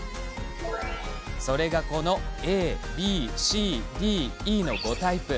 それがこのＡ、Ｂ、Ｃ、Ｄ、Ｅの５タイプ。